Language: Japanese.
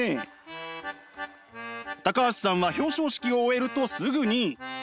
橋さんは表彰式を終えるとすぐに。